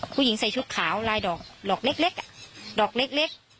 ผู้หญิงใส่ชุดขาวลายดอกเล็กดอกเล็ก